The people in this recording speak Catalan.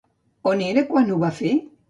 On era quan ho va fer?